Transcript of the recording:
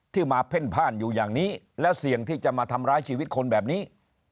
มาเพ่นพ่านอยู่อย่างนี้แล้วเสี่ยงที่จะมาทำร้ายชีวิตคนแบบนี้